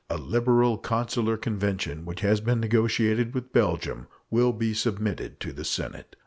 A liberal consular convention which has been negotiated with Belgium will be submitted to the Senate.